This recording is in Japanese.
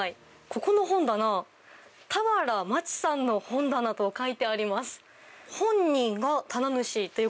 ここの本棚、俵万智さんの本棚と書いてあります。